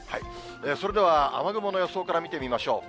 それでは、雨雲の予想から見てみましょう。